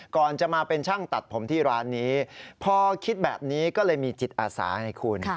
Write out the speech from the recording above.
ก่อนจะมาเป็นช่างตัดผมที่ร้านนี้พอคิดแบบนี้ก็เลยมีจิตอาสาไงคุณ